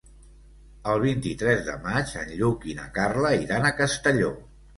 El vint-i-tres de maig en Lluc i na Carla iran a Castelló.